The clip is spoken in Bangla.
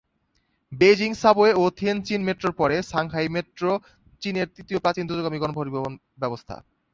বেইজিং সাবওয়ে ও থিয়েনচিন মেট্রোর পরে সাংহাই মেট্রো চীনের তৃতীয় প্রাচীন দ্রুতগামী গণপরিবহন ব্যবস্থা।